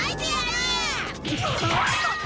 うわっ！